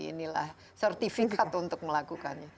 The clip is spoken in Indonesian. inilah sertifikat untuk melakukannya